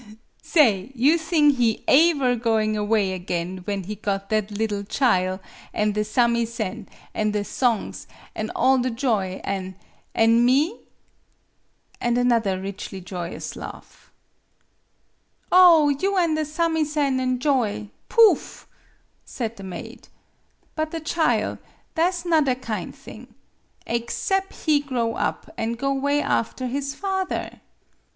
Sa ay you thing he aever going away again when he got that liddle chile, an' the samisen, an' the songs, an' all the joy, an' an' me?" And another richly joyous laugh. " Oh, you an' the samisen an' joy poof !" 28 MADAME BUTTERFLY said the maid. "But the chile tha' 's 'nother kind thing, slexcep' be grow up, an' go 'way after his father